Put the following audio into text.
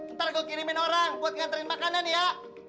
ntar gue kirimin orang buat nganterin makanan ya